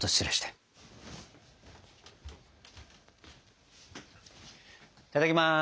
いただきます。